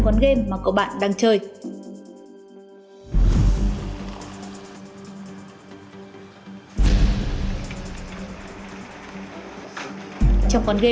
quán game mà có mặt tại điểm hẹn gần quán game mà có mặt tại điểm hẹn gần quán game mà có